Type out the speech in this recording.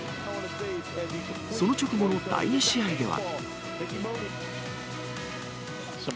その直後の第２試合では。